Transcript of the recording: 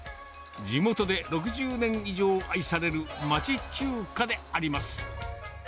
地元で６０年以上愛される町中華であります。